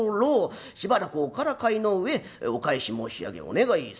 しばらくおからかいの上お帰し申し上げお願い候。